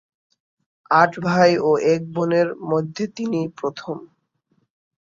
আট ভাই ও এক বোনের মধ্যে তিনি প্রথম।